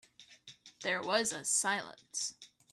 There was a silence.